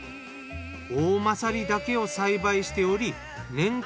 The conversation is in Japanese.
おおまさりだけを栽培しており年間